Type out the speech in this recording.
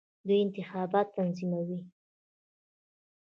دوی انتخابات تنظیموي.